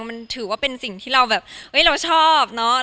มันถือว่าเป็นสิ่งที่เราแบบเราชอบเนอะ